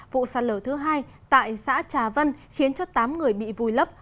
vụ sạt lở thứ hai tại xã trà vân khiến cho tám người bị vùi lấp